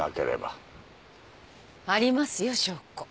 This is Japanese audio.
ありますよ証拠。